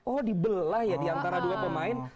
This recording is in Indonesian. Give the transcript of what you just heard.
oh dibelah ya diantara dua pemain